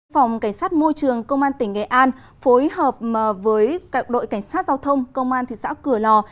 phòng cảnh sát môi trường công an tỉnh nghệ an phối hợp với đội cảnh sát giao thông công an thị xã cửa lò